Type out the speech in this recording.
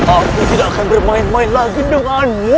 aku tidak akan bermain main lagi denganmu